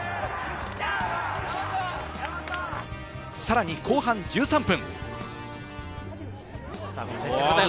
さらに後半１３分。